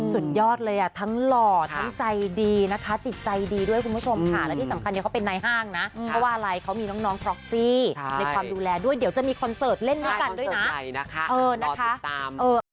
สุดยอดเลยอ่ะทั้งหล่อทั้งใจดีนะคะจิตใจดีด้วยคุณผู้ชมค่ะและที่สำคัญเนี่ยเขาเป็นนายห้างนะเพราะว่าอะไรเขามีน้องฟร็อกซี่ในความดูแลด้วยเดี๋ยวจะมีคอนเสิร์ตเล่นด้วยกันด้วยนะ